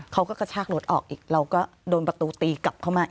กระชากรถออกอีกเราก็โดนประตูตีกลับเข้ามา